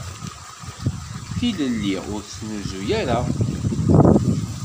Tilelli ur tettnuz ara.